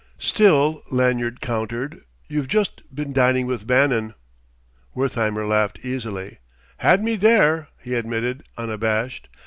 "Still," Lanyard countered, "you've just been dining with Bannon." Wertheimer laughed easily. "Had me there!" he admitted, unabashed.